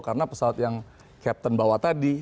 karena pesawat yang captain bawa tadi